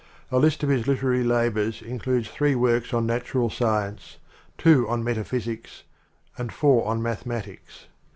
A list of his literary labors includes three works on natural science, two on metaphysics, and four on math ematics.